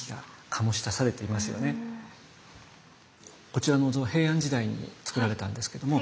こちらのお像は平安時代に造られたんですけども